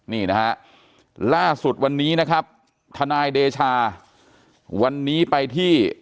นี่นะฮะล่าสุดวันนี้นะครับทนายเดชาวันนี้ไปที่